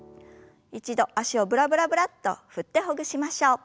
一度脚をブラブラブラッと振ってほぐしましょう。